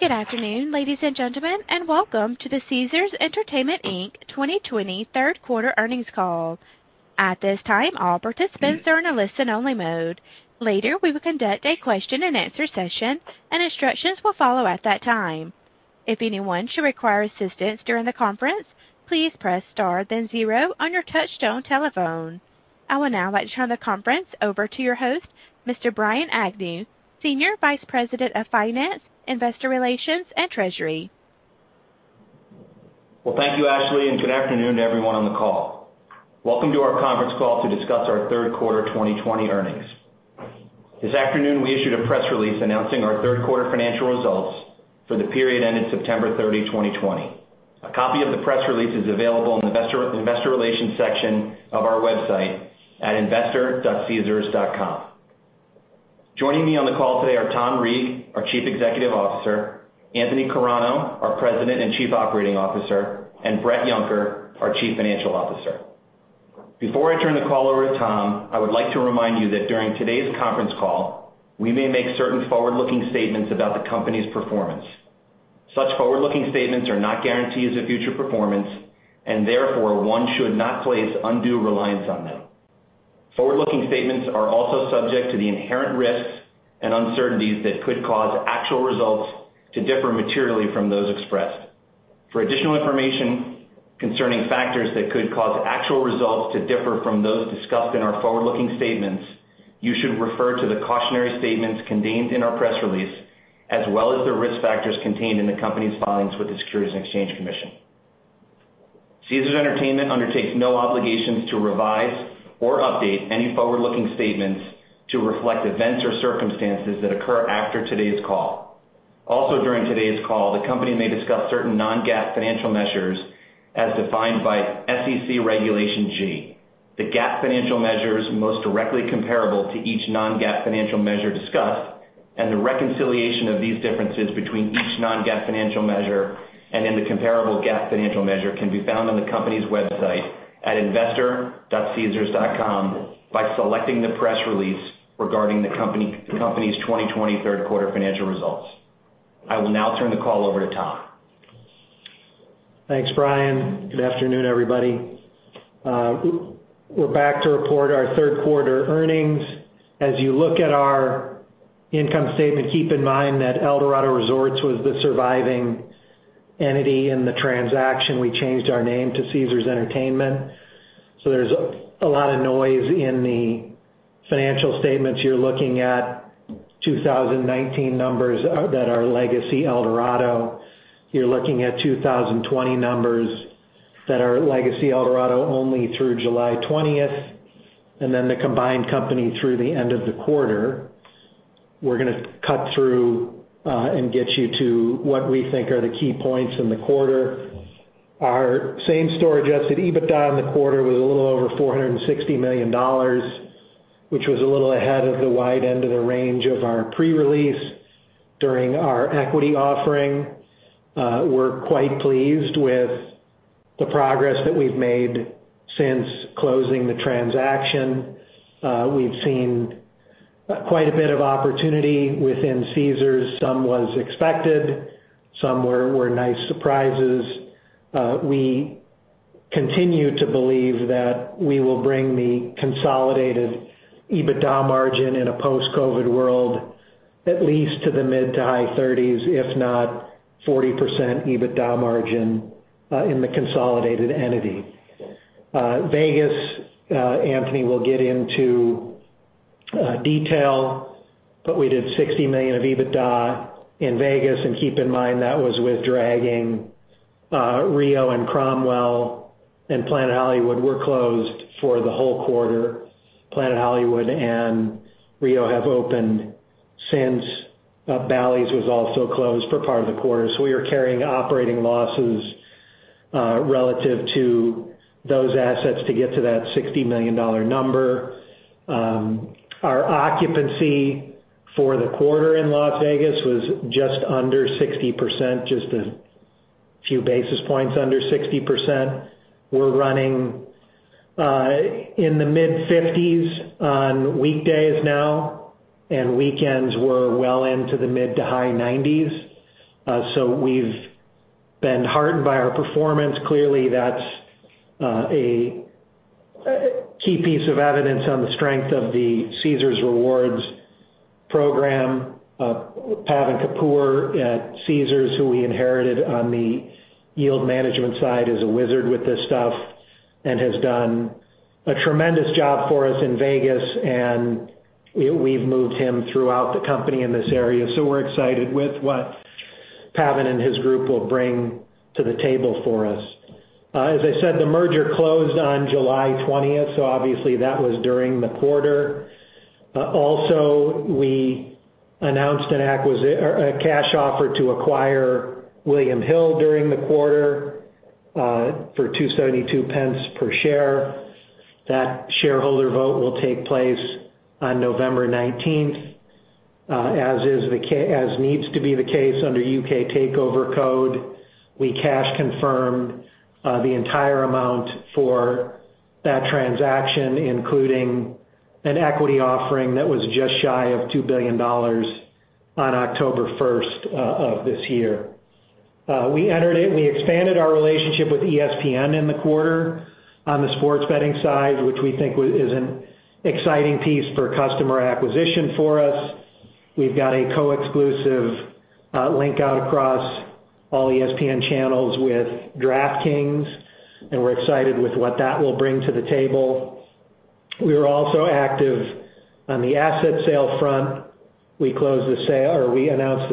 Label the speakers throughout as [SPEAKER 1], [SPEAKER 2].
[SPEAKER 1] Good afternoon, ladies and gentlemen, and welcome to the Caesars Entertainment Inc 2020 third quarter earnings call. At this time, all participant are in listen-only mode. Later, we will conduct a question-and-answer session, and instruction will follow at that time. If anyone should require assistance during the conference, please press star then zero on your touch-tone telephone. I will now like to turn the conference over to your host, Mr. Brian Agnew, Senior Vice President of Finance, Investor Relations and Treasury.
[SPEAKER 2] Well, thank you, Ashley, and good afternoon to everyone on the call. Welcome to our conference call to discuss our third quarter 2020 earnings. This afternoon, we issued a press release announcing our third quarter financial results for the period ending September 30, 2020. A copy of the press release is available in the Investor Relations section of our website at investor.caesars.com. Joining me on the call today are Tom Reeg, our Chief Executive Officer, Anthony Carano, our President and Chief Operating Officer, and Bret Yunker, our Chief Financial Officer. Before I turn the call over to Tom, I would like to remind you that during today's conference call, we may make certain forward-looking statements about the company's performance. Such forward-looking statements are not guarantees of future performance, and therefore, one should not place undue reliance on them. Forward-looking statements are also subject to the inherent risks and uncertainties that could cause actual results to differ materially from those expressed. For additional information concerning factors that could cause actual results to differ from those discussed in our forward-looking statements, you should refer to the cautionary statements contained in our press release, as well as the risk factors contained in the company's filings with the Securities and Exchange Commission. Caesars Entertainment undertakes no obligations to revise or update any forward-looking statements to reflect events or circumstances that occur after today's call. Also, during today's call, the company may discuss certain non-GAAP financial measures as defined by SEC Regulation G. The GAAP financial measure is most directly comparable to each non-GAAP financial measure discussed, and the reconciliation of these differences between each non-GAAP financial measure and the comparable GAAP financial measure can be found on the company's website at investor.caesars.com by selecting the press release regarding the company's 2020 third quarter financial results. I will now turn the call over to Tom.
[SPEAKER 3] Thanks, Brian. Good afternoon, everybody. We're back to report our third quarter earnings. As you look at our income statement, keep in mind that Eldorado Resorts was the surviving entity in the transaction. We changed our name to Caesars Entertainment. There's a lot of noise in the financial statements. You're looking at 2019 numbers that are legacy Eldorado. You're looking at 2020 numbers that are legacy Eldorado only through July 20th, and then the combined company through the end of the quarter. We're going to cut through and get you to what we think are the key points in the quarter. Our same-store adjusted EBITDA in the quarter was a little over $460 million, which was a little ahead of the wide end of the range of our pre-release during our equity offering. We're quite pleased with the progress that we've made since closing the transaction. We've seen quite a bit of opportunity within Caesars. Some was expected, some were nice surprises. We continue to believe that we will bring the consolidated EBITDA margin in a post-COVID world, at least to the mid to high 30s, if not 40% EBITDA margin in the consolidated entity. Vegas, Anthony will get into detail, but we did $60 million of EBITDA in Vegas, and keep in mind, that was with dragging Rio and Cromwell and Planet Hollywood were closed for the whole quarter. Planet Hollywood and Rio have opened since. Bally's was also closed for part of the quarter. We are carrying operating losses relative to those assets to get to that $60 million number. Our occupancy for the quarter in Las Vegas was just under 60%, just a few basis points under 60%. We're running in the mid-50s on weekdays now. Weekends we're well into the mid to high 90s. We've been heartened by our performance. Clearly, that's a key piece of evidence on the strength of the Caesars Rewards program. Pavan Kapur at Caesars, who we inherited on the yield management side, is a wizard with this stuff and has done a tremendous job for us in Vegas. We've moved him throughout the company in this area. We're excited with what Pavan and his group will bring to the table for us. As I said, the merger closed on July 20th. Obviously, that was during the quarter. Also, we announced a cash offer to acquire William Hill during the quarter for 2.72 per share. That shareholder vote will take place on November 19th. As needs to be the case under U.K. Takeover Code. We cash confirmed the entire amount for that transaction, including an equity offering that was just shy of $2 billion on October 1st of this year. We expanded our relationship with ESPN in the quarter on the sports betting side, which we think is an exciting piece for customer acquisition for us. We've got a co-exclusive link out across all ESPN channels with DraftKings, and we're excited with what that will bring to the table. We were also active on the asset sale front. We announced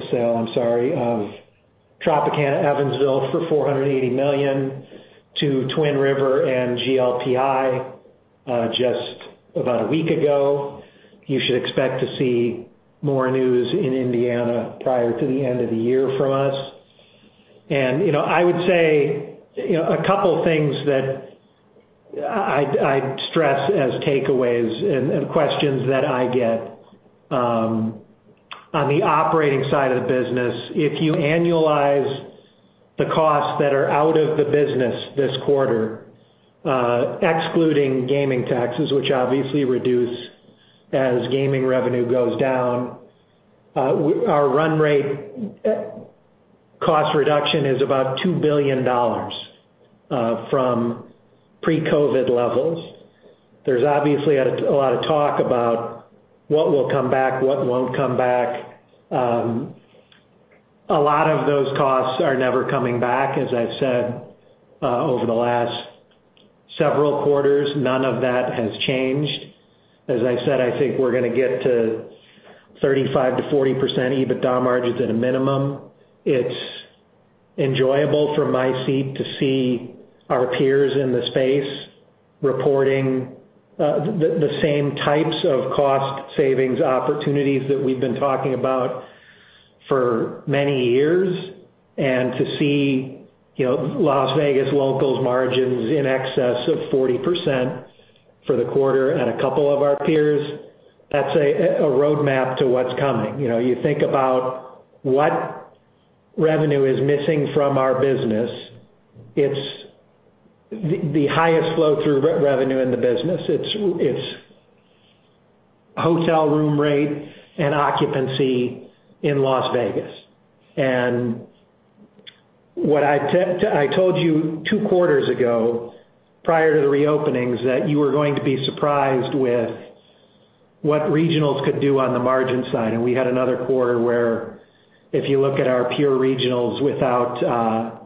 [SPEAKER 3] the sale, of Tropicana Evansville for $480 million to Twin River and GLPI just about a week ago. You should expect to see more news in Indiana prior to the end of the year from us. I would say a couple things that I'd stress as takeaways and questions that I get. On the operating side of the business, if you annualize the costs that are out of the business this quarter, excluding gaming taxes, which obviously reduce as gaming revenue goes down, our run rate cost reduction is about $2 billion from pre-COVID levels. There's obviously a lot of talk about what will come back, what won't come back. A lot of those costs are never coming back, as I've said, over the last several quarters. None of that has changed. As I said, I think we're going to get to 35%-40% EBITDA margins at a minimum. It's enjoyable from my seat to see our peers in the space reporting the same types of cost savings opportunities that we've been talking about for many years, and to see Las Vegas locals margins in excess of 40% for the quarter at a couple of our peers. That's a roadmap to what's coming. You think about what revenue is missing from our business. It's the highest flow through revenue in the business. It's hotel room rate and occupancy in Las Vegas. What I told you two quarters ago, prior to the reopenings, that you were going to be surprised with what regionals could do on the margin side. We had another quarter where if you look at our pure regionals without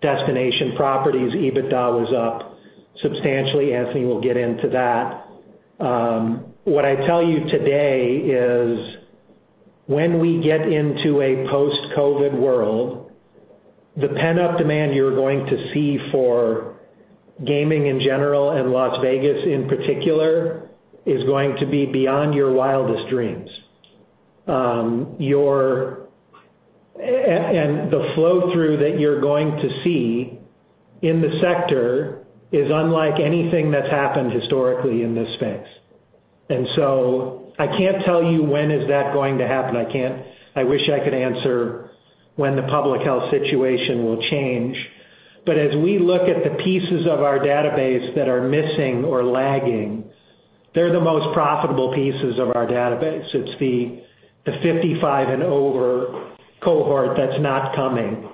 [SPEAKER 3] destination properties, EBITDA was up substantially. Anthony will get into that. What I tell you today is when we get into a post-COVID world, the pent-up demand you're going to see for gaming in general and Las Vegas in particular, is going to be beyond your wildest dreams. The flow-through that you're going to see in the sector is unlike anything that's happened historically in this space. I can't tell you when is that going to happen. I wish I could answer when the public health situation will change. As we look at the pieces of our database that are missing or lagging, they're the most profitable pieces of our database. It's the 55 and over cohort that's not coming.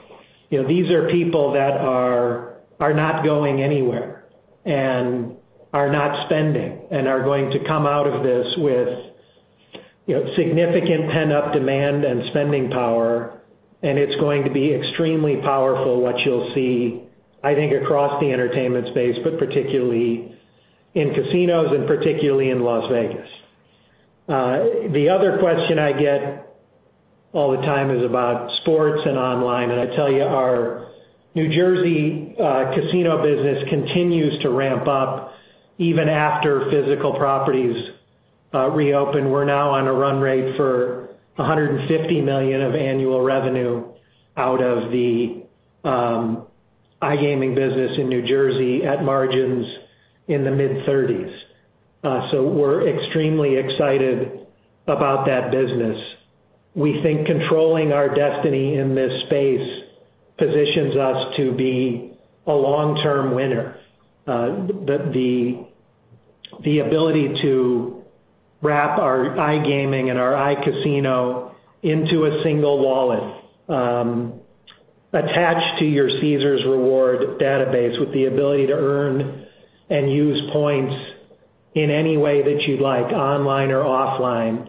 [SPEAKER 3] These are people that are not going anywhere and are not spending, and are going to come out of this with significant pent-up demand and spending power. It's going to be extremely powerful, what you'll see, I think, across the entertainment space, but particularly in casinos and particularly in Las Vegas. The other question I get all the time is about sports and online. I tell you, our New Jersey casino business continues to ramp up even after physical properties reopen. We're now on a run rate for $150 million of annual revenue out of the iGaming business in New Jersey at margins in the mid-30s. We're extremely excited about that business. We think controlling our destiny in this space positions us to be a long-term winner. The ability to wrap our iGaming and our iCasino into a single wallet, attached to your Caesars Rewards database with the ability to earn and use points in any way that you'd like, online or offline.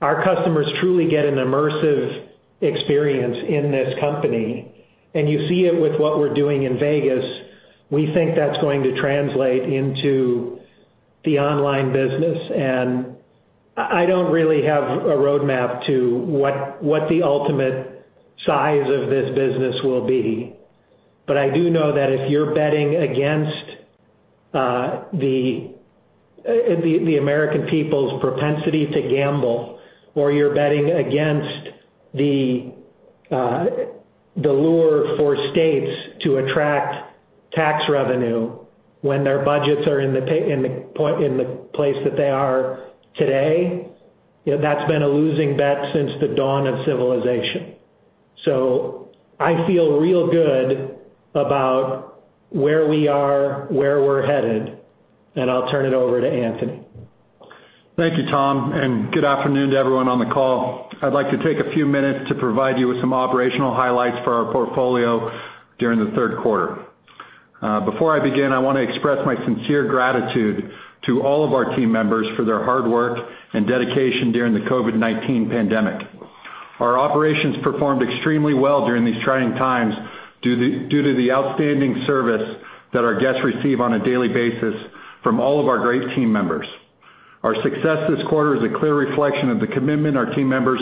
[SPEAKER 3] Our customers truly get an immersive experience in this company, and you see it with what we're doing in Vegas. We think that's going to translate into the online business. I don't really have a roadmap to what the ultimate size of this business will be. I do know that if you're betting against the American people's propensity to gamble, or you're betting against the lure for states to attract tax revenue when their budgets are in the place that they are today. That's been a losing bet since the dawn of civilization. I feel real good about where we are, where we're headed, and I'll turn it over to Anthony.
[SPEAKER 4] Thank you, Tom, and good afternoon to everyone on the call. I'd like to take a few minutes to provide you with some operational highlights for our portfolio during the third quarter. Before I begin, I want to express my sincere gratitude to all of our team members for their hard work and dedication during the COVID-19 pandemic. Our operations performed extremely well during these trying times, due to the outstanding service that our guests receive on a daily basis from all of our great team members. Our success this quarter is a clear reflection of the commitment of our team members,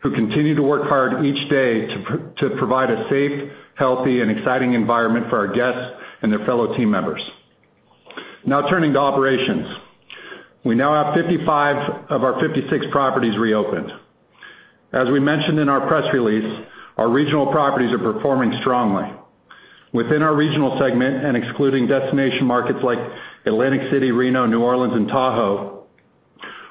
[SPEAKER 4] who continue to work hard each day to provide a safe, healthy, and exciting environment for our guests and their fellow team members. Now turning to operations. We now have 55 of our 56 properties reopened. As we mentioned in our press release, our regional properties are performing strongly. Within our regional segment and excluding destination markets like Atlantic City, Reno, New Orleans, and Tahoe,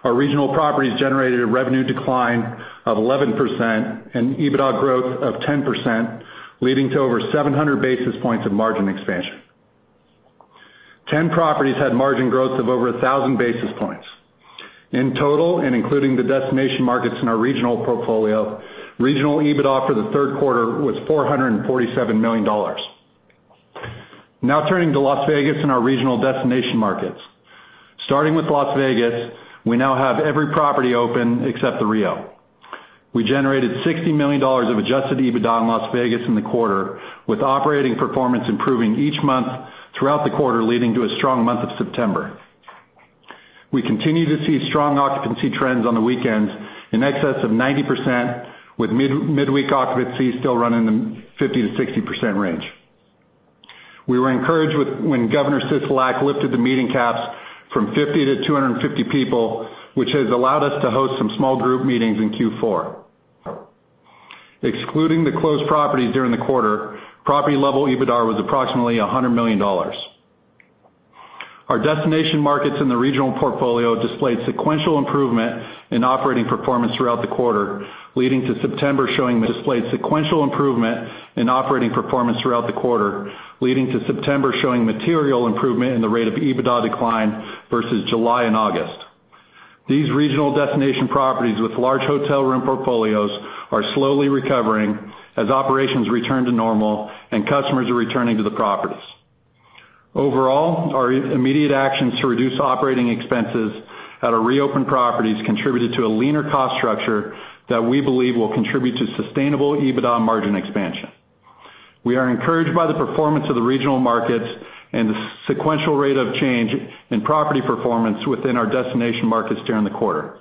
[SPEAKER 4] our regional properties generated a revenue decline of 11% and EBITDA growth of 10%, leading to over 700 basis points of margin expansion. 10 properties had margin growth of over 1,000 basis points. In total, and including the destination markets in our regional portfolio, regional EBITDA for the third quarter was $447 million. Now turning to Las Vegas and our regional destination markets. Starting with Las Vegas, we now have every property open except the Rio. We generated $60 million of adjusted EBITDA in Las Vegas in the quarter, with operating performance improving each month throughout the quarter, leading to a strong month of September. We continue to see strong occupancy trends on the weekends in excess of 90%, with midweek occupancy still running in the 50%-60% range. We were encouraged when Governor Sisolak lifted the meeting caps from 50 to 250 people, which has allowed us to host some small group meetings in Q4. Excluding the closed properties during the quarter, property-level EBITDA was approximately $100 million. Our destination markets in the regional portfolio displayed sequential improvement in operating performance throughout the quarter, leading to September showing material improvement in the rate of EBITDA decline versus July and August. These regional destination properties with large hotel room portfolios are slowly recovering as operations return to normal and customers are returning to the properties. Overall, our immediate actions to reduce operating expenses at our reopened properties contributed to a leaner cost structure that we believe will contribute to sustainable EBITDA margin expansion. We are encouraged by the performance of the regional markets and the sequential rate of change in property performance within our destination markets during the quarter.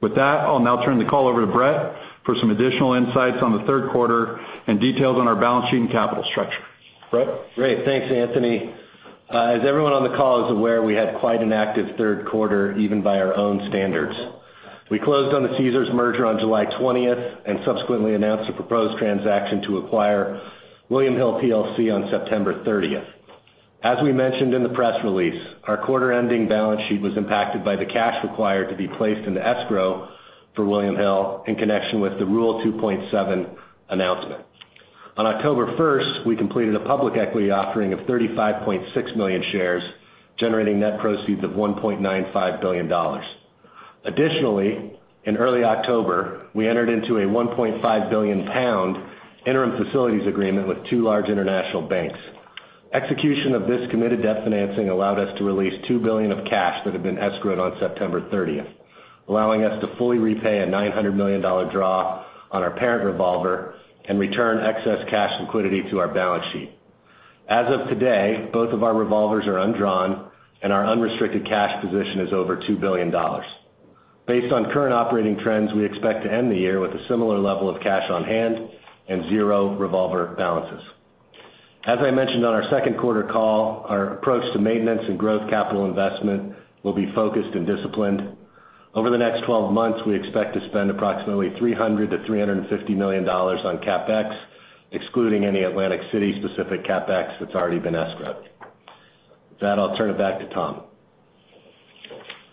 [SPEAKER 4] With that, I'll now turn the call over to Bret for some additional insights on the third quarter and details on our balance sheet and capital structure. Bret?
[SPEAKER 5] Great. Thanks, Anthony. As everyone on the call is aware, we had quite an active third quarter, even by our own standards. We closed on the Caesars merger on July 20th and subsequently announced a proposed transaction to acquire William Hill PLC on September 30th. As we mentioned in the press release, our quarter-ending balance sheet was impacted by the cash required to be placed into escrow for William Hill in connection with the Rule 2.7 announcement. On October 1st, we completed a public equity offering of 35.6 million shares, generating net proceeds of $1.95 billion. Additionally, in early October, we entered into a 1.5 billion pound interim facilities agreement with two large international banks. Execution of this committed debt financing allowed us to release $2 billion of cash that had been escrowed on September 30th, allowing us to fully repay a $900 million draw on our parent revolver and return excess cash liquidity to our balance sheet. As of today, both of our revolvers are undrawn and our unrestricted cash position is over $2 billion. Based on current operating trends, we expect to end the year with a similar level of cash on hand and zero revolver balances. As I mentioned on our second quarter call, our approach to maintenance and growth capital investment will be focused and disciplined. Over the next 12 months, we expect to spend approximately $300 million-$350 million on CapEx, excluding any Atlantic City-specific CapEx that's already been escrowed. With that, I'll turn it back to Tom.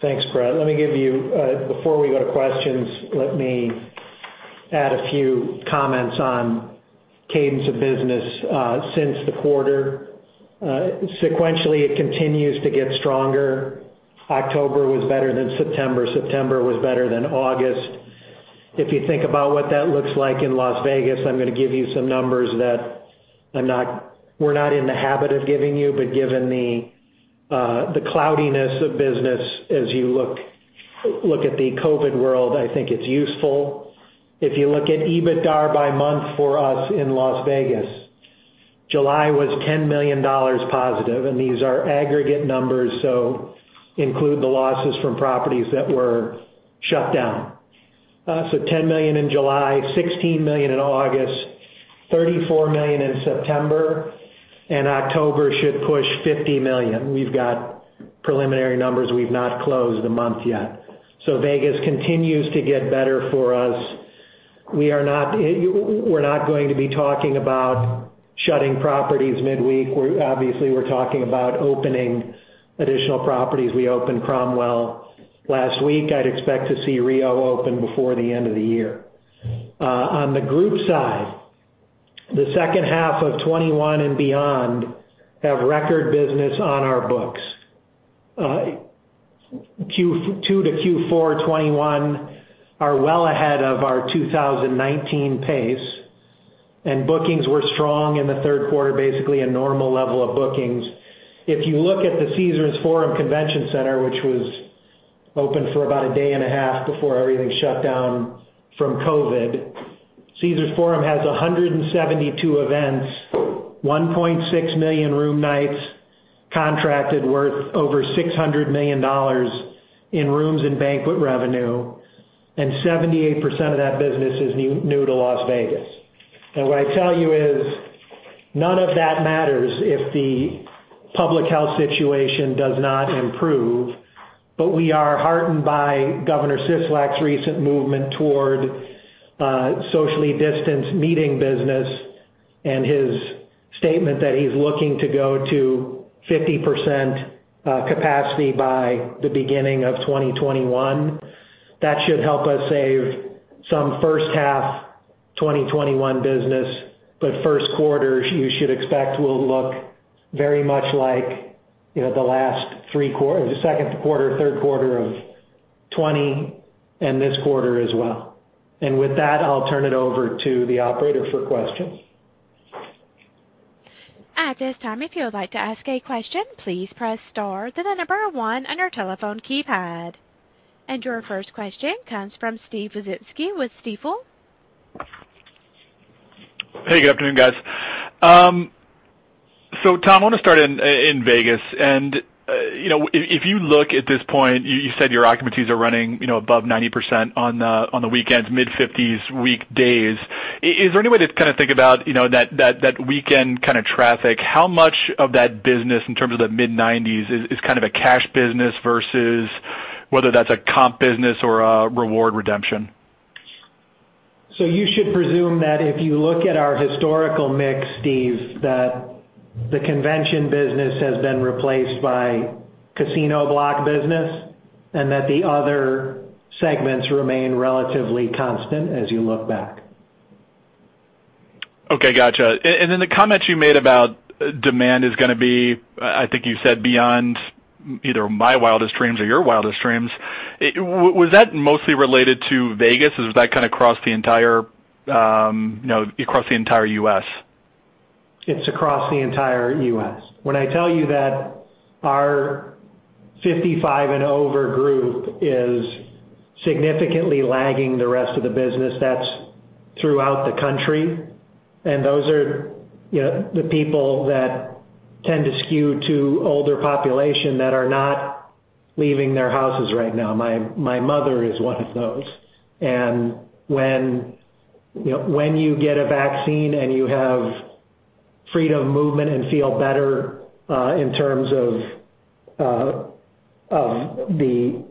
[SPEAKER 3] Thanks, Bret. Before we go to questions, let me add a few comments on cadence of business since the quarter. Sequentially, it continues to get stronger. October was better than September. September was better than August. If you think about what that looks like in Las Vegas, I'm going to give you some numbers that we're not in the habit of giving you, but given the cloudiness of business as you look at the COVID world, I think it's useful. If you look at EBITDA by month for us in Las Vegas, July was $10 million positive, and these are aggregate numbers, so include the losses from properties that were shut down. $10 million in July, $16 million in August, $34 million in September, and October should push $50 million. We've got preliminary numbers. We've not closed the month yet. Vegas continues to get better for us. We are not going to be talking about shutting properties midweek. Obviously, we're talking about opening additional properties. We opened Cromwell last week. I'd expect to see Rio open before the end of the year. On the Group side, the second half of 2021 and beyond have record business on our books. Q2 to Q4 2021 are well ahead of our 2019 pace, and bookings were strong in the third quarter, basically a normal level of bookings. If you look at the Caesars Forum Convention Center, which was open for about a day and a half before everything shut down from COVID, Caesars Forum has 172 events, 1.6 million room nights, contracted worth over $600 million in rooms and banquet revenue, and 78% of that business is new to Las Vegas. What I tell you is, none of that matters if the public health situation does not improve. We are heartened by Governor Sisolak's recent movement toward socially distanced meeting business and his statement that he's looking to go to 50% capacity by the beginning of 2021. That should help us save some first half 2021 business. First quarter, you should expect will look very much like the second quarter, third quarter of 2020, and this quarter as well. With that, I'll turn it over to the operator for questions.
[SPEAKER 1] At this time if you would like to ask a question, please press star and then number one on your telephone keypad. Your first question comes from Steve Wieczynski with Stifel.
[SPEAKER 6] Hey, good afternoon, guys. Tom, I want to start in Vegas. If you look at this point, you said your occupancies are running above 90% on the weekends, mid-50s weekdays. Is there any way to kind of think about that weekend kind of traffic? How much of that business in terms of the mid-90s is kind of a cash business versus whether that's a comp business or a reward redemption?
[SPEAKER 3] You should presume that if you look at our historical mix, Steve, that the convention business has been replaced by casino block business and that the other segments remain relatively constant as you look back.
[SPEAKER 6] Okay, got you. The comment you made about demand is going to be, I think you said beyond either my wildest dreams or your wildest dreams. Was that mostly related to Vegas, or was that kind of across the entire U.S.?
[SPEAKER 3] It's across the entire U.S. When I tell you that our 55 and over group is significantly lagging the rest of the business, that's throughout the country, and those are the people that tend to skew to older population that are not leaving their houses right now. My mother is one of those. When you get a vaccine and you have freedom of movement and feel better in terms of the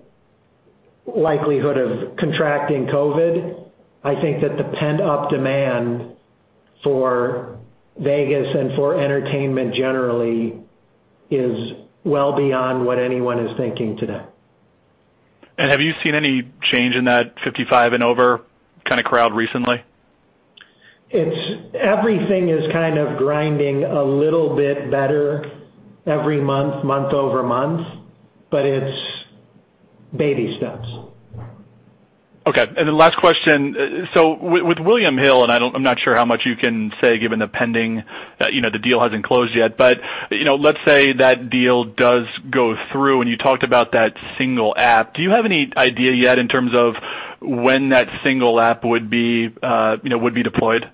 [SPEAKER 3] likelihood of contracting COVID, I think that the pent-up demand for Vegas and for entertainment generally is well beyond what anyone is thinking today.
[SPEAKER 6] Have you seen any change in that 55 and over kind of crowd recently?
[SPEAKER 3] Everything is kind of grinding a little bit better every month-over-month, but it's baby steps.
[SPEAKER 6] Okay. Last question, with William Hill, I'm not sure how much you can say given the deal hasn't closed yet. Let's say that deal does go through, and you talked about that single app. Do you have any idea yet in terms of when that single app would be deployed?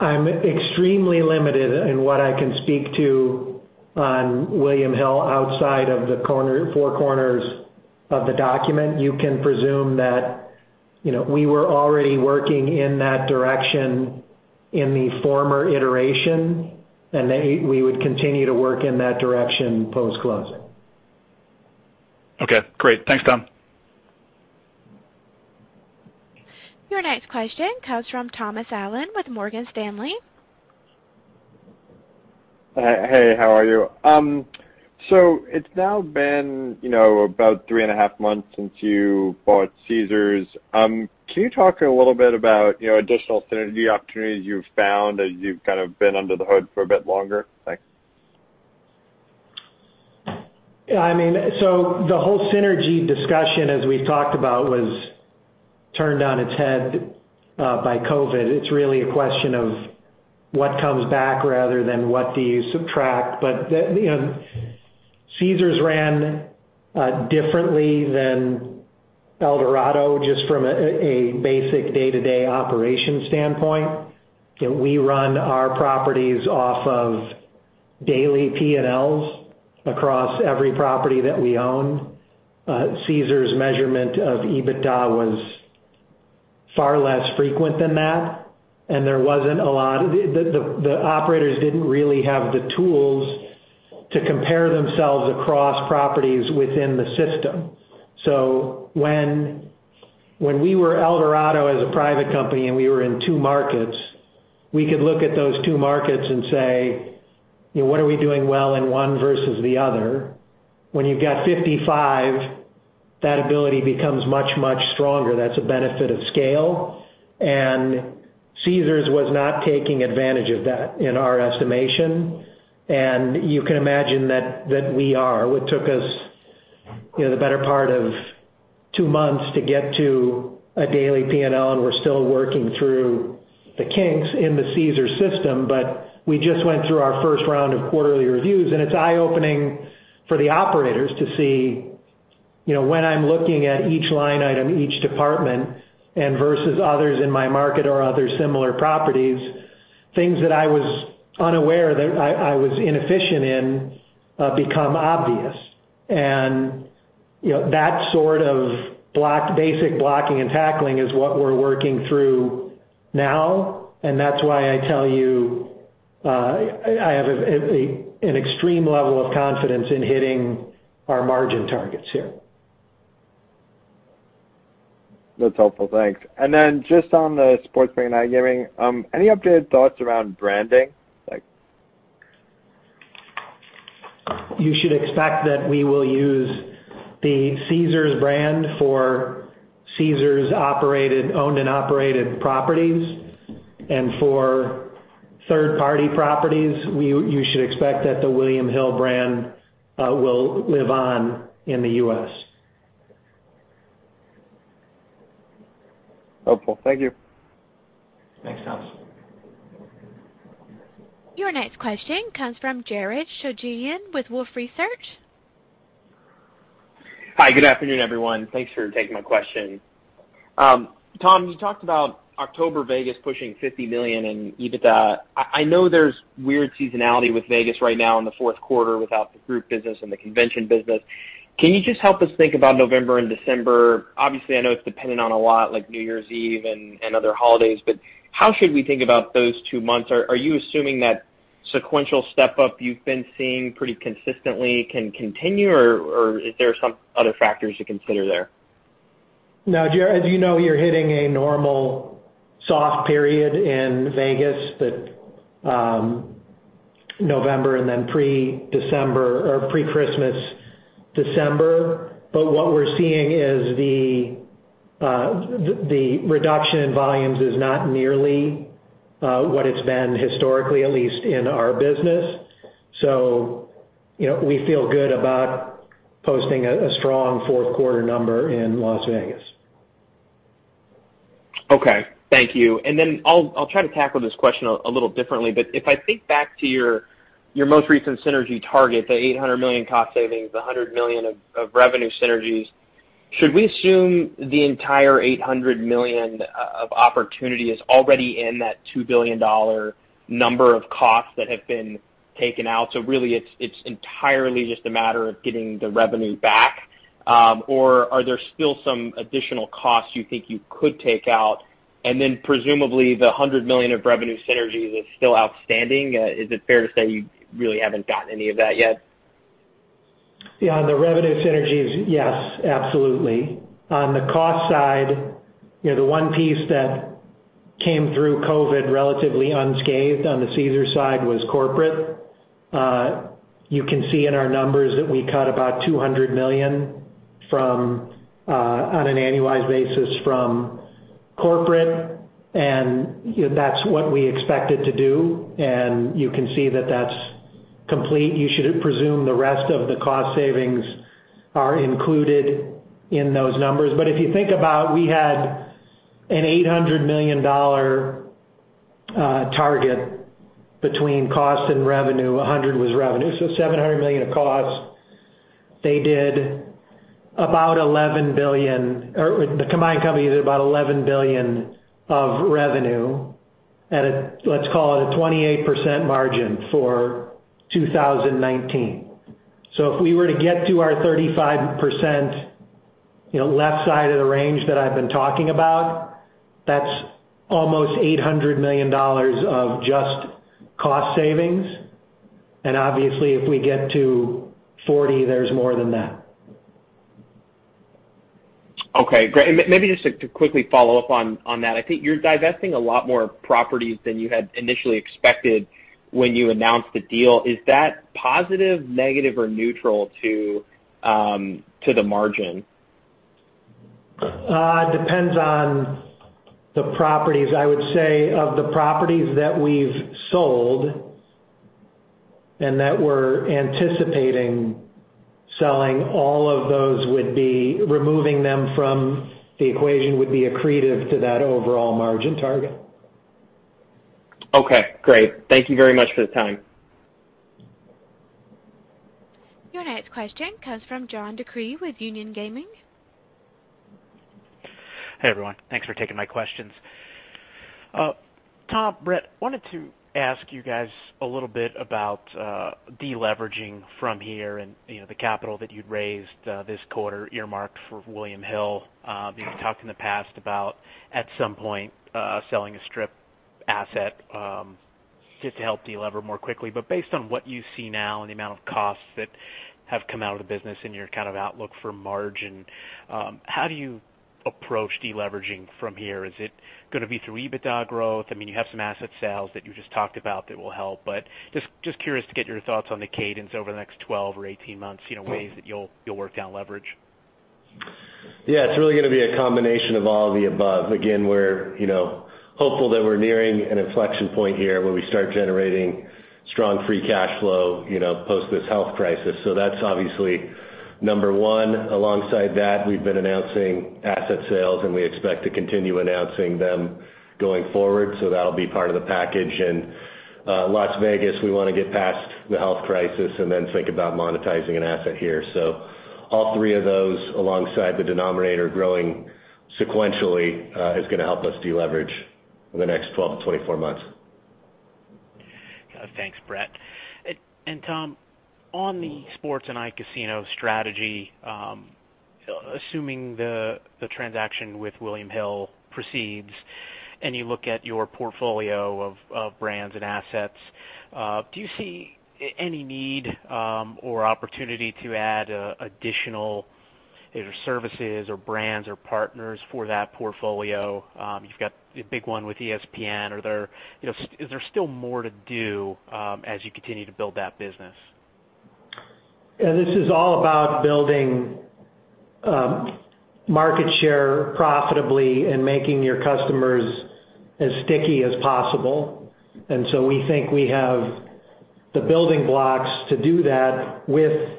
[SPEAKER 3] I'm extremely limited in what I can speak to on William Hill outside of the four corners of the document. You can presume that we were already working in that direction in the former iteration, and that we would continue to work in that direction post-closing.
[SPEAKER 6] Okay, great. Thanks, Tom.
[SPEAKER 1] Your next question comes from Thomas Allen with Morgan Stanley.
[SPEAKER 7] Hey, how are you? It's now been about three and a half months since you bought Caesars. Can you talk a little bit about additional synergy opportunities you've found as you've kind of been under the hood for a bit longer? Thanks.
[SPEAKER 3] The whole synergy discussion, as we've talked about, was turned on its head by COVID. It's really a question of what comes back rather than what do you subtract. Caesars ran differently than Eldorado, just from a basic day-to-day operation standpoint. We run our properties off of daily P&Ls across every property that we own. Caesars' measurement of EBITDA was far less frequent than that, and the operators didn't really have the tools to compare themselves across properties within the system. When we were Eldorado as a private company and we were in two markets, we could look at those two markets and say, "What are we doing well in one versus the other?" When you've got 55, that ability becomes much, much stronger. That's a benefit of scale. Caesars was not taking advantage of that, in our estimation. You can imagine that we are. It took us the better part of two months to get to a daily P&L, and we're still working through the kinks in the Caesars system. We just went through our first round of quarterly reviews, and it's eye-opening for the operators to see, when I'm looking at each line item, each department, and versus others in my market or other similar properties, things that I was unaware that I was inefficient in become obvious. That sort of basic blocking and tackling is what we're working through now, and that's why I tell you, I have an extreme level of confidence in hitting our margin targets here.
[SPEAKER 7] That's helpful. Thanks. Just on the sports betting and iGaming, any updated thoughts around branding?
[SPEAKER 3] You should expect that we will use the Caesars brand for Caesars owned and operated properties. For third-party properties, you should expect that the William Hill brand will live on in the U.S.
[SPEAKER 7] Helpful. Thank you.
[SPEAKER 3] Thanks, Thomas.
[SPEAKER 1] Your next question comes from Jared Shojaian with Wolfe Research.
[SPEAKER 8] Hi, good afternoon, everyone. Thanks for taking my question. Tom, you talked about October Vegas pushing $50 million in EBITDA. I know there's weird seasonality with Vegas right now in the fourth quarter without the Group business and the convention business. Can you just help us think about November and December? Obviously, I know it's dependent on a lot like New Year's Eve and other holidays, but how should we think about those two months? Are you assuming that sequential step-up you've been seeing pretty consistently can continue, or are there some other factors to consider there?
[SPEAKER 3] Jared, as you know, you're hitting a normal soft period in Vegas that November and then pre-December or pre-Christmas December. What we're seeing is the reduction in volumes is not nearly what it's been historically, at least in our business. We feel good about posting a strong fourth quarter number in Las Vegas.
[SPEAKER 8] Okay, thank you. I'll try to tackle this question a little differently, but if I think back to your most recent synergy target, the $800 million cost savings, the $100 million of revenue synergies, should we assume the entire $800 million of opportunity is already in that $2 billion number of costs that have been taken out? Really, it's entirely just a matter of getting the revenue back? Are there still some additional costs you think you could take out? Presumably the $100 million of revenue synergies is still outstanding. Is it fair to say you really haven't gotten any of that yet?
[SPEAKER 3] Yeah, on the revenue synergies, yes, absolutely. On the cost side, the one piece that came through COVID relatively unscathed on the Caesars side was corporate. You can see in our numbers that we cut about $200 million on an annualized basis from corporate, and that's what we expected to do, and you can see that that's complete. You should presume the rest of the cost savings are included in those numbers. If you think about we had an $800 million target between cost and revenue, $100 was revenue, so $700 million of costs. The combined company did about $11 billion of revenue at a, let's call it a 28% margin for 2019. If we were to get to our 35% left side of the range that I've been talking about, that's almost $800 million of just cost savings. Obviously, if we get to 40%, there's more than that.
[SPEAKER 8] Okay, great. Maybe just to quickly follow up on that, I think you're divesting a lot more properties than you had initially expected when you announced the deal. Is that positive, negative, or neutral to the margin?
[SPEAKER 3] Depends on the properties. I would say of the properties that we've sold and that we're anticipating selling, all of those would be removing them from the equation would be accretive to that overall margin target.
[SPEAKER 8] Okay, great. Thank you very much for the time.
[SPEAKER 1] Your next question comes from John DeCree with Union Gaming.
[SPEAKER 9] Hey, everyone. Thanks for taking my questions. Tom, Bret, wanted to ask you guys a little bit about deleveraging from here and the capital that you'd raised this quarter earmarked for William Hill. You talked in the past about at some point selling a Strip asset just to help delever more quickly. Based on what you see now and the amount of costs that have come out of the business and your outlook for margin, how do you approach deleveraging from here? Is it going to be through EBITDA growth? You have some asset sales that you just talked about that will help, but just curious to get your thoughts on the cadence over the next 12 or 18 months, ways that you'll work down leverage.
[SPEAKER 5] Yeah. It's really going to be a combination of all of the above. Again, we're hopeful that we're nearing an inflection point here where we start generating strong free cash flow post this health crisis. That's obviously number one. Alongside that, we've been announcing asset sales, and we expect to continue announcing them going forward. That'll be part of the package. Las Vegas, we want to get past the health crisis and then think about monetizing an asset here. All three of those, alongside the denominator growing sequentially, is going to help us deleverage in the next 12-24 months.
[SPEAKER 9] Got it. Thanks, Bret. Tom, on the sports and iCasino strategy, assuming the transaction with William Hill proceeds and you look at your portfolio of brands and assets, do you see any need or opportunity to add additional either services or brands or partners for that portfolio? You've got a big one with ESPN. Is there still more to do as you continue to build that business?
[SPEAKER 3] Yeah, this is all about building market share profitably and making your customers as sticky as possible. We think we have the building blocks to do that with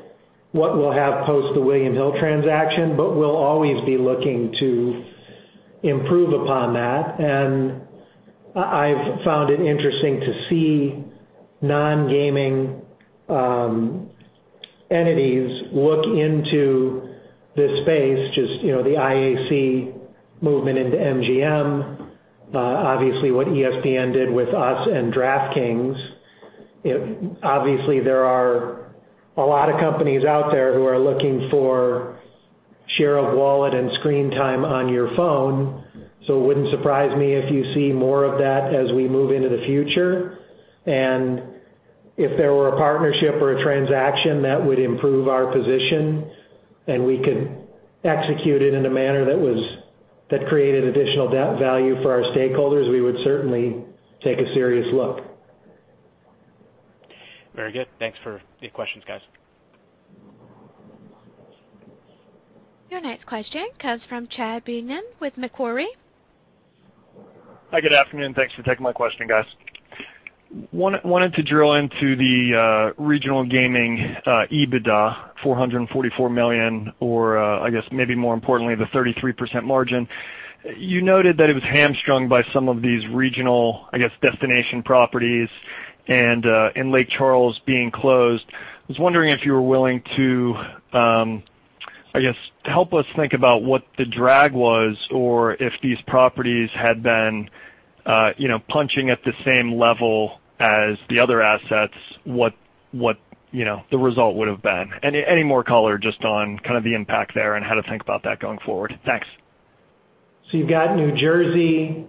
[SPEAKER 3] what we'll have post the William Hill transaction, but we'll always be looking to improve upon that. I've found it interesting to see non-gaming entities look into this space, just the IAC movement into MGM, obviously what ESPN did with us and DraftKings. Obviously, there are a lot of companies out there who are looking for share of wallet and screen time on your phone. It wouldn't surprise me if you see more of that as we move into the future. If there were a partnership or a transaction that would improve our position and we could execute it in a manner that created additional value for our stakeholders, we would certainly take a serious look.
[SPEAKER 9] Very good. Thanks for the questions, guys.
[SPEAKER 1] Your next question comes from Chad Beynon with Macquarie.
[SPEAKER 10] Hi, good afternoon. Thanks for taking my question, guys. Wanted to drill into the Regional Gaming EBITDA, $444 million, or I guess maybe more importantly, the 33% margin. You noted that it was hamstrung by some of these regional, I guess, destination properties and Lake Charles being closed. I was wondering if you were willing to, I guess, help us think about what the drag was, or if these properties had been punching at the same level as the other assets, what the result would've been. Any more color just on kind of the impact there and how to think about that going forward. Thanks.
[SPEAKER 3] You've got New Jersey,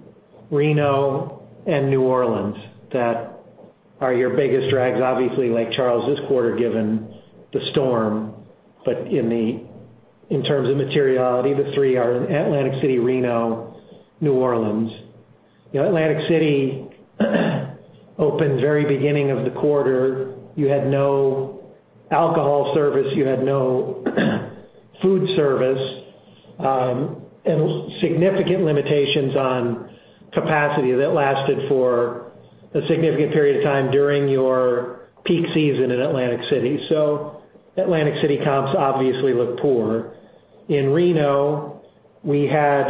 [SPEAKER 3] Reno, and New Orleans that are your biggest drags. Obviously, Lake Charles this quarter, given the storm. In terms of materiality, the three are Atlantic City, Reno, New Orleans. Atlantic City opened very beginning of the quarter. You had no alcohol service, you had no food service, and significant limitations on capacity that lasted for a significant period of time during your peak season in Atlantic City. Atlantic City comps obviously look poor. In Reno, we had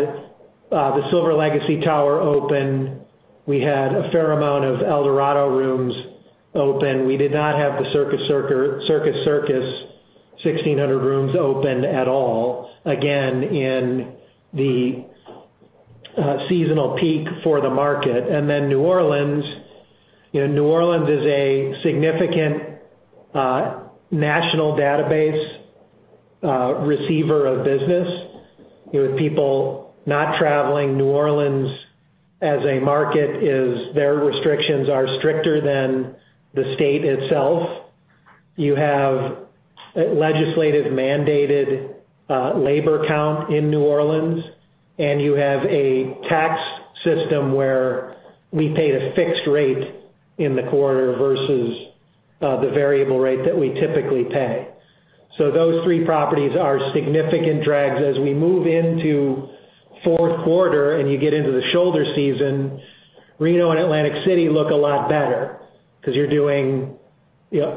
[SPEAKER 3] the Silver Legacy tower open. We had a fair amount of Eldorado rooms open. We did not have the Circus Circus 1,600 rooms open at all, again, in the seasonal peak for the market. New Orleans. New Orleans is a significant national database receiver of business. With people not traveling, New Orleans as a market, their restrictions are stricter than the state itself. You have a legislative-mandated labor count in New Orleans, and you have a tax system where we paid a fixed rate in the quarter versus the variable rate that we typically pay. Those three properties are significant drags. As we move into fourth quarter and you get into the shoulder season, Reno and Atlantic City look a lot better because you're doing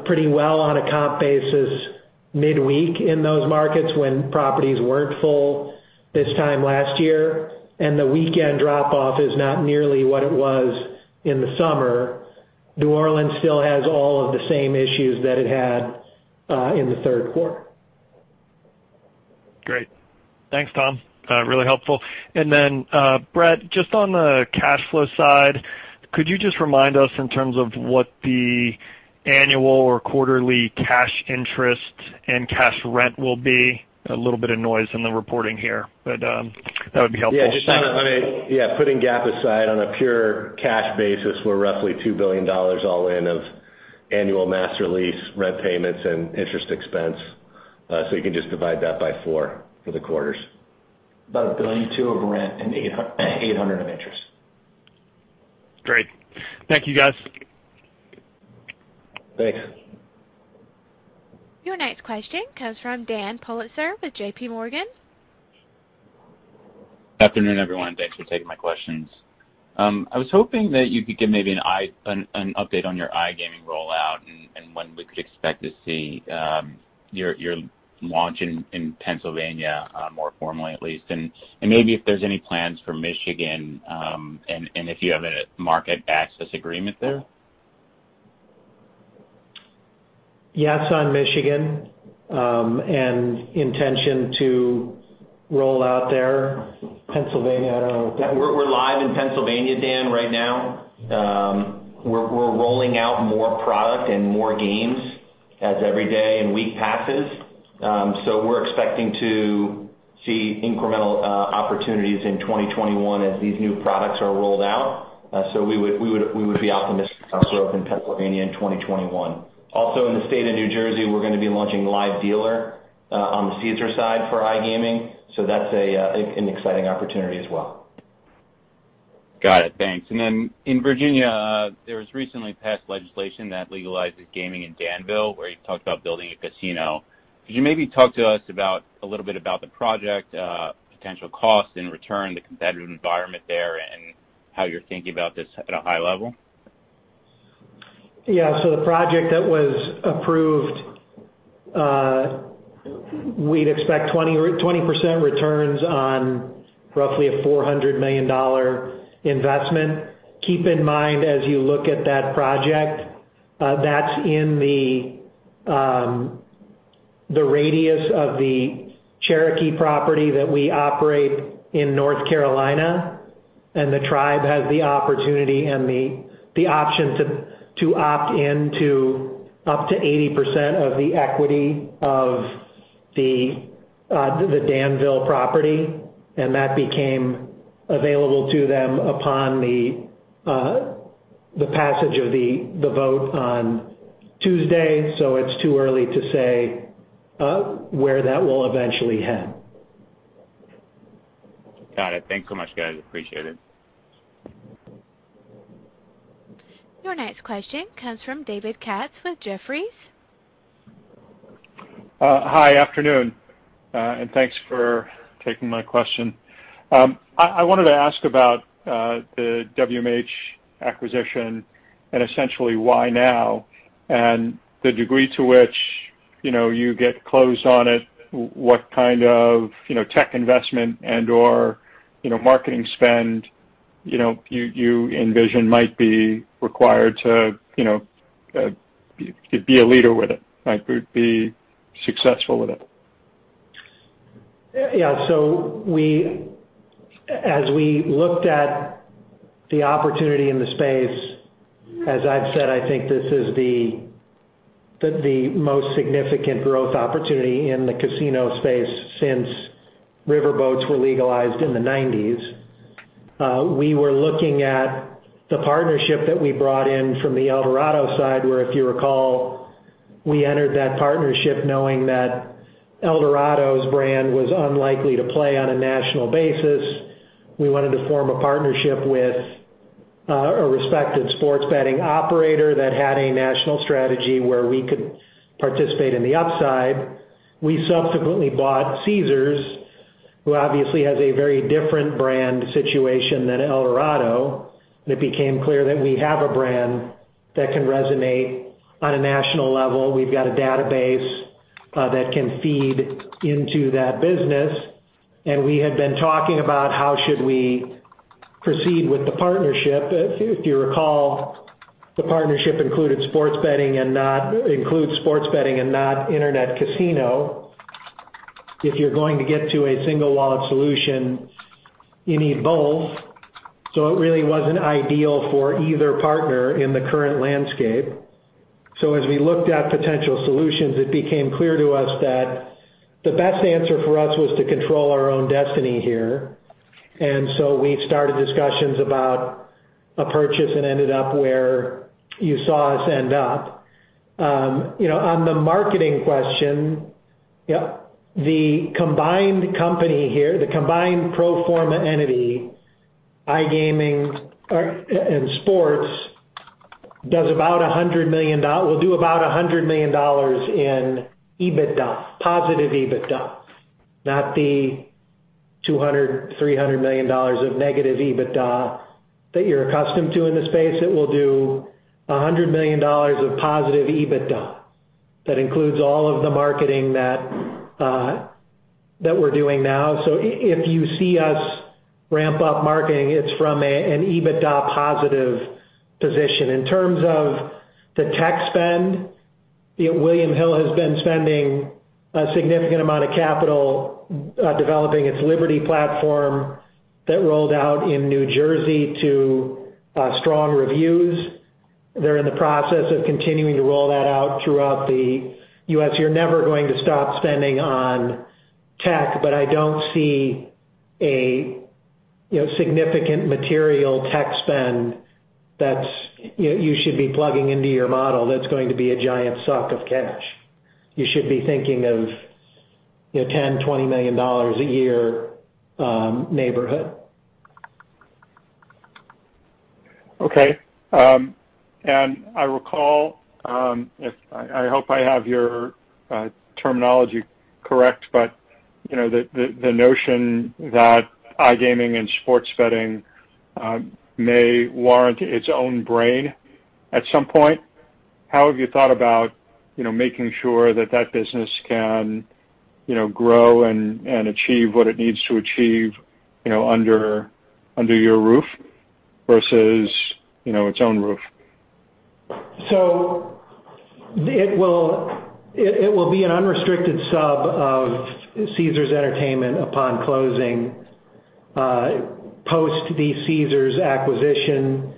[SPEAKER 3] pretty well on a comp basis midweek in those markets when properties weren't full this time last year, and the weekend drop-off is not nearly what it was in the summer. New Orleans still has all of the same issues that it had in the third quarter.
[SPEAKER 10] Great. Thanks, Tom. Really helpful. Then, Bret, just on the cash flow side, could you just remind us in terms of what the annual or quarterly cash interest and cash rent will be? A little bit of noise in the reporting here, but that would be helpful.
[SPEAKER 5] Yeah. Putting GAAP aside, on a pure cash basis, we're roughly $2 billion all in of annual master lease, rent payments, and interest expense. You can just divide that by four for the quarters.
[SPEAKER 3] About $1.2 billion of rent and $800 million of interest.
[SPEAKER 10] Great. Thank you, guys.
[SPEAKER 3] Thanks.
[SPEAKER 1] Your next question comes from Dan Politzer with JPMorgan.
[SPEAKER 11] Good afternoon, everyone. Thanks for taking my questions. I was hoping that you could give maybe an update on your iGaming rollout and when we could expect to see your launch in Pennsylvania, more formally at least? Maybe if there's any plans for Michigan? If you have a market access agreement there?
[SPEAKER 3] Yeah. On Michigan, and intention to roll out there, Pennsylvania, I don't know.
[SPEAKER 4] We're live in Pennsylvania, Dan, right now. We're rolling out more product and more games as every day and week passes. We're expecting to see incremental opportunities in 2021 as these new products are rolled out. We would be optimistic about growth in Pennsylvania in 2021. Also, in the state of New Jersey, we're going to be launching live dealer on the Caesars side for iGaming. That's an exciting opportunity as well.
[SPEAKER 11] Got it. Thanks. In Virginia, there was recently passed legislation that legalizes gaming in Danville, where you talked about building a casino. Could you maybe talk to us a little bit about the project, potential cost and return, the competitive environment there, and how you're thinking about this at a high level?
[SPEAKER 3] Yeah. The project that was approved, we'd expect 20% returns on roughly a $400 million investment. Keep in mind, as you look at that project, that's in the radius of the Cherokee property that we operate in North Carolina, and the tribe has the opportunity and the option to opt into up to 80% of the equity of the Danville property. That became available to them upon the passage of the vote on Tuesday, so it's too early to say where that will eventually head.
[SPEAKER 11] Got it. Thanks so much, guys. Appreciate it.
[SPEAKER 1] Your next question comes from David Katz with Jefferies.
[SPEAKER 12] Hi. Afternoon, thanks for taking my question. I wanted to ask about the WMH acquisition, essentially why now, and the degree to which you get closed on it, what kind of tech investment and/or marketing spend you envision might be required to be a leader with it, might be successful with it.
[SPEAKER 3] Yeah. As we looked at the opportunity in the space, as I've said, I think this is the most significant growth opportunity in the casino space since riverboats were legalized in the '1990s. We were looking at the partnership that we brought in from the Eldorado side, where if you recall, we entered that partnership knowing that Eldorado's brand was unlikely to play on a national basis. We wanted to form a partnership with a respected sports betting operator that had a national strategy where we could participate in the upside. We subsequently bought Caesars, who obviously has a very different brand situation than Eldorado, and it became clear that we have a brand that can resonate on a national level. We've got a database that can feed into that business, and we had been talking about how should we proceed with the partnership. If you recall, the partnership includes sports betting and not internet casino. If you're going to get to a single wallet solution, you need both. It really wasn't ideal for either partner in the current landscape. As we looked at potential solutions, it became clear to us that the best answer for us was to control our own destiny here. We started discussions about a purchase and ended up where you saw us end up. On the marketing question, the combined company here, the combined pro forma entity, iGaming and sports, will do about $100 million in EBITDA, positive EBITDA. Not the $200 million, $300 million of negative EBITDA that you're accustomed to in the space. It will do $100 million of positive EBITDA. That includes all of the marketing that we're doing now. If you see us ramp up marketing, it's from an EBITDA positive position. In terms of the tech spend, William Hill has been spending a significant amount of capital developing its Liberty platform that rolled out in New Jersey to strong reviews. They're in the process of continuing to roll that out throughout the U.S. You're never going to stop spending on tech, I don't see a significant material tech spend that you should be plugging into your model that's going to be a giant suck of cash. You should be thinking of $10 million, $20 million a year neighborhood.
[SPEAKER 12] Okay. I recall, I hope I have your terminology correct, but the notion that iGaming and sports betting may warrant its own brand at some point. How have you thought about making sure that that business can grow and achieve what it needs to achieve under your roof versus its own roof?
[SPEAKER 3] It will be an unrestricted sub of Caesars Entertainment upon closing. Post the Caesars acquisition,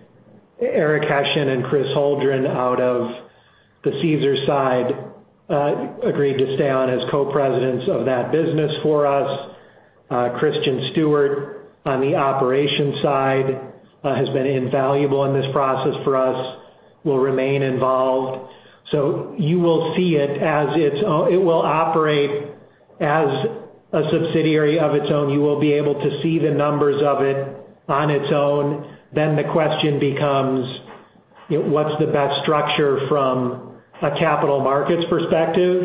[SPEAKER 3] Eric Hession and Chris Holdren out of the Caesars side agreed to stay on as co-presidents of that business for us. Christian Stuart, on the operations side, has been invaluable in this process for us, will remain involved. You will see it will operate as a subsidiary of its own. You will be able to see the numbers of it on its own. The question becomes, what's the best structure from a capital markets perspective?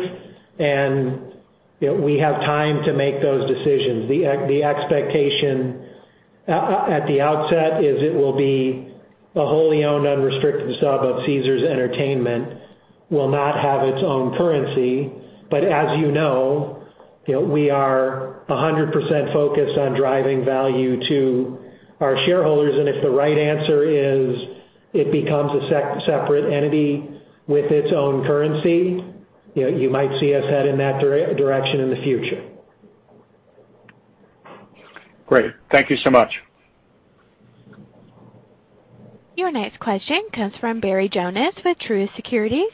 [SPEAKER 3] We have time to make those decisions. The expectation at the outset is it will be a wholly owned, unrestricted sub of Caesars Entertainment, will not have its own currency. As you know, we are 100% focused on driving value to our shareholders, and if the right answer is it becomes a separate entity with its own currency, you might see us head in that direction in the future.
[SPEAKER 12] Great. Thank you so much.
[SPEAKER 1] Your next question comes from Barry Jonas with Truist Securities.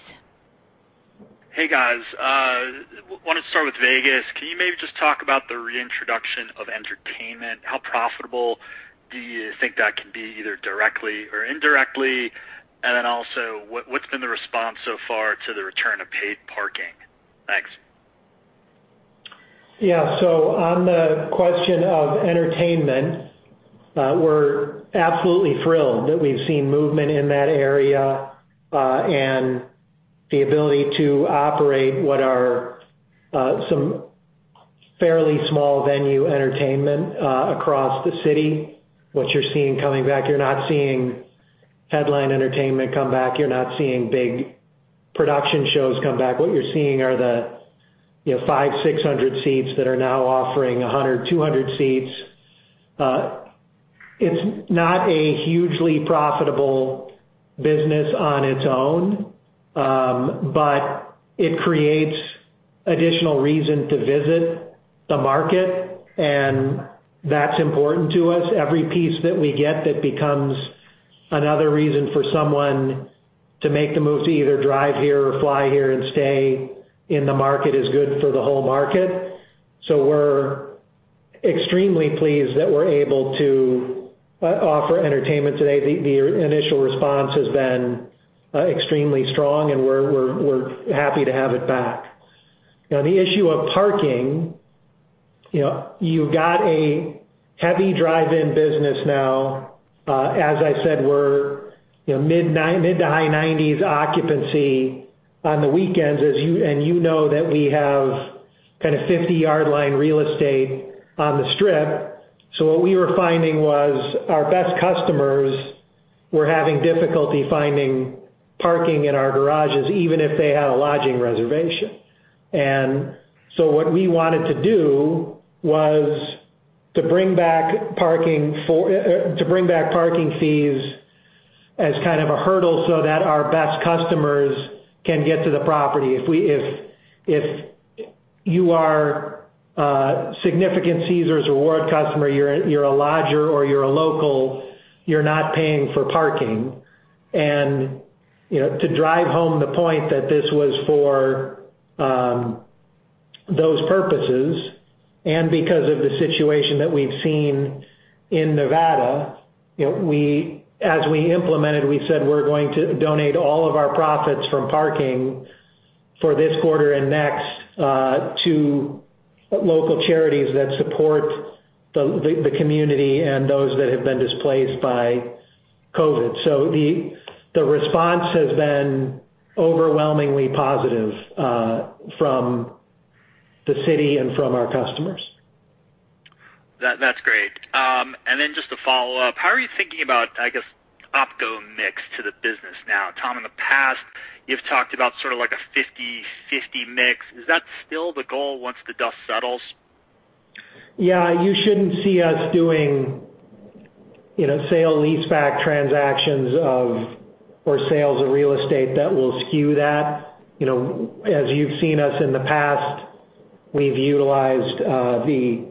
[SPEAKER 13] Hey, guys. I wanted to start with Vegas. Can you maybe just talk about the reintroduction of entertainment? How profitable do you think that can be, either directly or indirectly? Then also, what's been the response so far to the return of paid parking? Thanks.
[SPEAKER 3] Yeah. On the question of entertainment, we're absolutely thrilled that we've seen movement in that area, and the ability to operate what are some fairly small venue entertainment across the city, what you're seeing coming back. You're not seeing headline entertainment come back. You're not seeing big production shows come back. What you're seeing are the 500, 600 seats that are now offering 100, 200 seats. It's not a hugely profitable business on its own, but it creates additional reason to visit the market, and that's important to us. Every piece that we get that becomes another reason for someone to make the move to either drive here or fly here and stay in the market is good for the whole market. We're extremely pleased that we're able to offer entertainment today. The initial response has been extremely strong, and we're happy to have it back. The issue of parking, you've got a heavy drive-in business now. As I said, we're mid to high 90s occupancy on the weekends, you know that we have kind of 50-yd line real estate on the Strip. What we were finding was our best customers were having difficulty finding parking in our garages, even if they had a lodging reservation. What we wanted to do was to bring back parking fees as kind of a hurdle so that our best customers can get to the property. If you are a significant Caesars Rewards customer, you're a lodger or you're a local, you're not paying for parking. To drive home the point that this was for those purposes, and because of the situation that we've seen in Nevada, as we implemented, we said we're going to donate all of our profits from parking for this quarter and next to local charities that support the community and those that have been displaced by COVID. The response has been overwhelmingly positive from the city and from our customers.
[SPEAKER 13] That's great. Then just to follow up, how are you thinking about, I guess, OpCo mix today? You've talked about sort of like a 50/50 mix. Is that still the goal once the dust settles?
[SPEAKER 3] Yeah, you shouldn't see us doing sale leaseback transactions of, or sales of real estate that will skew that. As you've seen us in the past, we've utilized the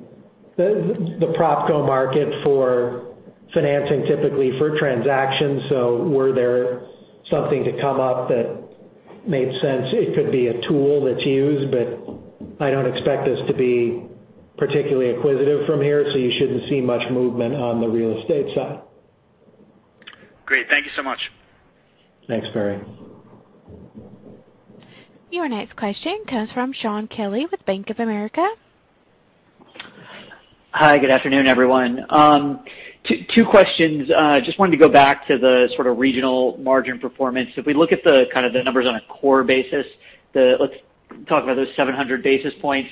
[SPEAKER 3] PropCo market for financing, typically for transactions. Were there something to come up that made sense, it could be a tool that's used, but I don't expect us to be particularly acquisitive from here, so you shouldn't see much movement on the real estate side.
[SPEAKER 13] Great. Thank you so much.
[SPEAKER 3] Thanks, Barry.
[SPEAKER 1] Your next question comes from Shaun Kelley with Bank of America.
[SPEAKER 14] Hi, good afternoon, everyone. Two questions. I just wanted to go back to the sort of regional margin performance. If we look at the kind of the numbers on a core basis, let's talk about those 700 basis points.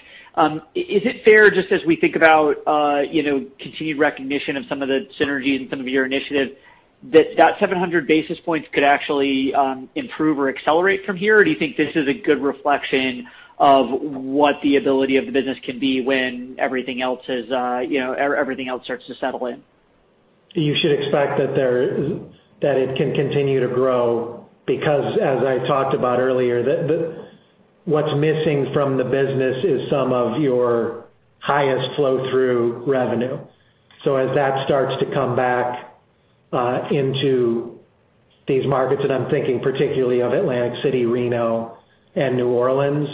[SPEAKER 14] Is it fair just as we think about continued recognition of some of the synergies and some of your initiatives, that 700 basis points could actually improve or accelerate from here? Do you think this is a good reflection of what the ability of the business can be when everything else starts to settle in?
[SPEAKER 3] You should expect that it can continue to grow because, as I talked about earlier, what's missing from the business is some of your highest flow-through revenue. As that starts to come back into these markets, and I'm thinking particularly of Atlantic City, Reno, and New Orleans,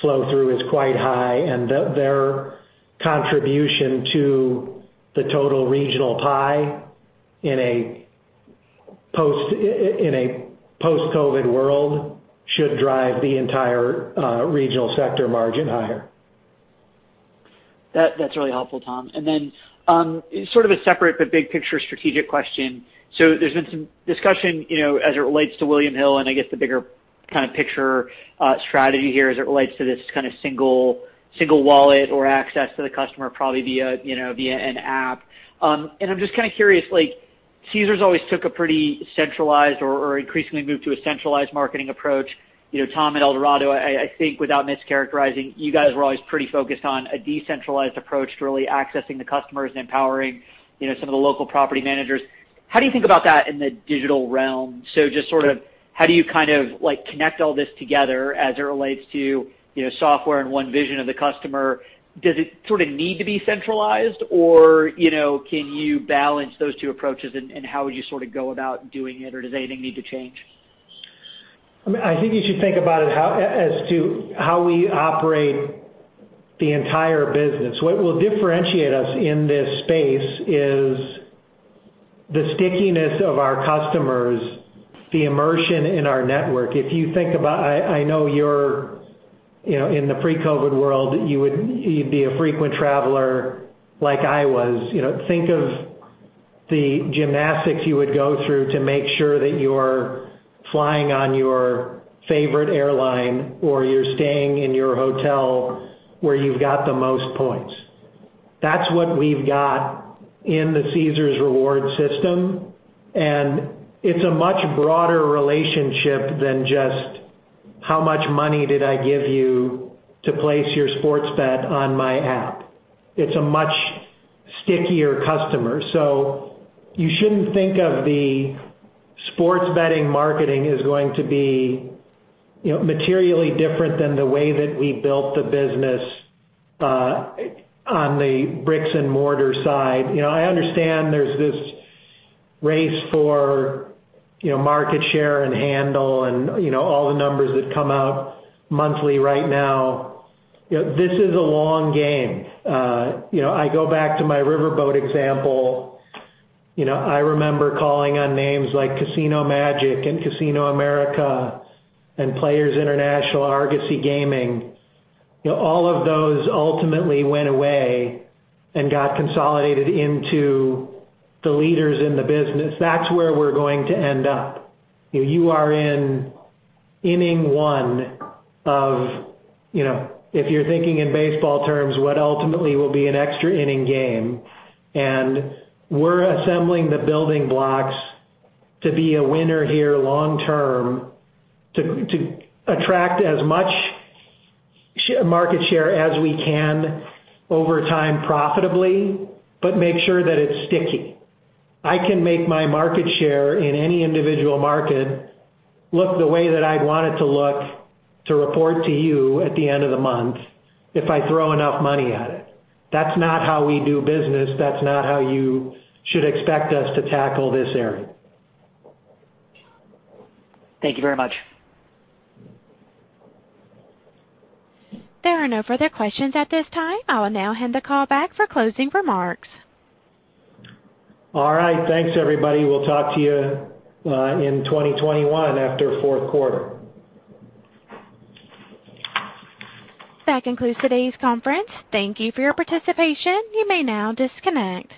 [SPEAKER 3] flow-through is quite high, and their contribution to the total regional pie in a post-COVID world should drive the entire regional sector margin higher.
[SPEAKER 14] That's really helpful, Tom. Sort of a separate but big picture strategic question. There's been some discussion as it relates to William Hill and I guess the bigger kind of picture strategy here as it relates to this kind of single wallet or access to the customer, probably via an app. I'm just kind of curious, like Caesars always took a pretty centralized or increasingly moved to a centralized marketing approach. Tom, at Eldorado, I think without mischaracterizing, you guys were always pretty focused on a decentralized approach to really accessing the customers and empowering some of the local property managers. How do you think about that in the digital realm? Just sort of how do you kind of like connect all this together as it relates to software and one vision of the customer? Does it sort of need to be centralized or can you balance those two approaches? How would you sort of go about doing it? Does anything need to change?
[SPEAKER 3] I think you should think about it as to how we operate the entire business. What will differentiate us in this space is the stickiness of our customers, the immersion in our network. I know you're in the pre-COVID world, you'd be a frequent traveler like I was. Think of the gymnastics you would go through to make sure that you are flying on your favorite airline or you're staying in your hotel where you've got the most points. That's what we've got in the Caesars Rewards system, and it's a much broader relationship than just how much money did I give you to place your sports bet on my app? It's a much stickier customer. You shouldn't think of the sports betting marketing is going to be materially different than the way that we built the business on the bricks-and-mortar side. I understand there's this race for market share and handle and all the numbers that come out monthly right now. This is a long game. I go back to my riverboat example. I remember calling on names like Casino Magic and Casino America and Players International, Argosy Gaming. All of those ultimately went away and got consolidated into the leaders in the business. That's where we're going to end up. You are in inning one of, if you're thinking in baseball terms, what ultimately will be an extra inning game. And we're assembling the building blocks to be a winner here long term to attract as much market share as we can over time profitably, but make sure that it's sticky. I can make my market share in any individual market look the way that I'd want it to look to report to you at the end of the month if I throw enough money at it. That's not how we do business. That's not how you should expect us to tackle this area.
[SPEAKER 14] Thank you very much.
[SPEAKER 1] There are no further questions at this time. I will now hand the call back for closing remarks.
[SPEAKER 3] All right. Thanks, everybody. We'll talk to you in 2021 after fourth quarter.
[SPEAKER 1] That concludes today's conference. Thank you for your participation. You may now disconnect.